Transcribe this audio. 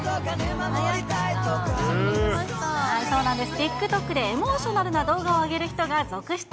そうなんです、ＴｉｋＴｏｋでエモーショナルな動画を上げる人が続出。